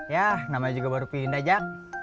ya namanya juga baru pilih dajak